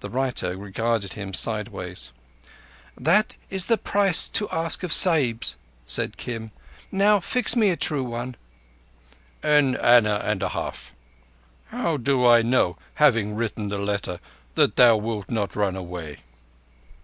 The writer regarded him sideways. "That is the price to ask of Sahibs," said Kim. "Now fix me a true one." "An anna and a half. How do I know, having written the letter, that thou wilt not run away?"